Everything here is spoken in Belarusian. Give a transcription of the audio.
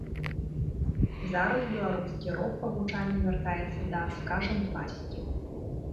Зараз беларускі рок па гучанні вяртаецца да, скажам, класікі.